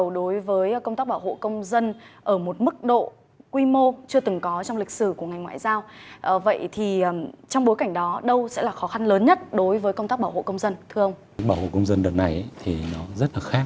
đối với công tác bảo hộ công dân thưa ông